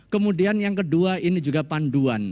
kemudian yang kedua ini juga panduan